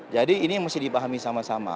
jadi ini mesti dipahami sama sama